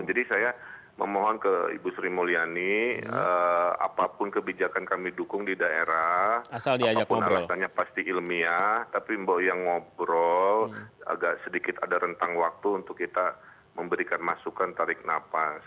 jadi saya memohon ke ibu sri mulyani apapun kebijakan kami dukung di daerah apapun aratannya pasti ilmiah tapi yang ngobrol agak sedikit ada rentang waktu untuk kita memberikan masukan tarik napas